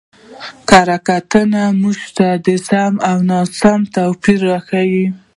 کره کتنه موږ ته د سم او ناسم توپير راښيي.